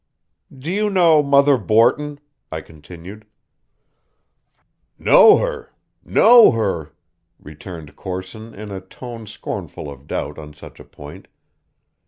"Do you know Mother Borton?" I continued. "Know her? know her?" returned Corson in a tone scornful of doubt on such a point.